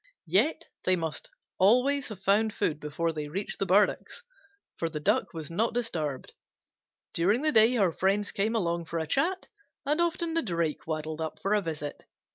Yet they must always have found food before they reached the burdocks, for the Duck was not disturbed. During the day her friends came along for a chat, and often the Drake waddled up for a visit.